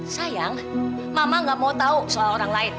sayang mama gak mau tahu soal orang lain